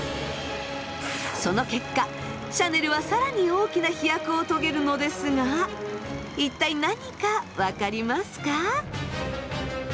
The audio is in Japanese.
その結果シャネルは更に大きな飛躍を遂げるのですが一体何か分かりますか？